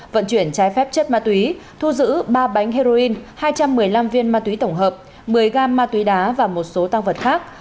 vận chuyển trái phép chất ma túy thu giữ ba bánh heroin hai trăm một mươi năm viên ma túy tổng hợp một mươi gam ma túy đá và một số tăng vật khác